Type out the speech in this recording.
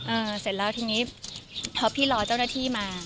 เสร็จแล้วทีนี้พอพี่รอเจ้าหน้าที่มา